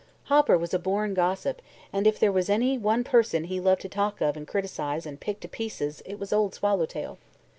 Hopper was a born gossip, and if there was any one person he loved to talk of and criticize and "pick to pieces" it was Old Swallowtail.